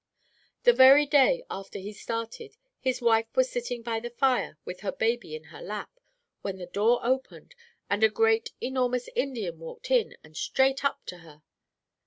"The very day after he started, his wife was sitting by the fire with her baby in her lap, when the door opened, and a great, enormous Indian walked in and straight up to her.